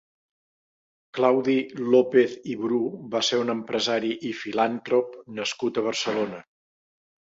Claudi López i Bru va ser un empresari i filàntrop nascut a Barcelona.